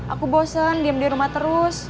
aku bosen diam di rumah terus